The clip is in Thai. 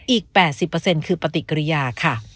อีก๘๐คือปฏิกิริยาค่ะ